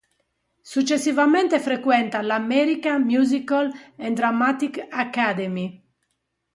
Successivamente frequenta la American Musical and Dramatic Academy.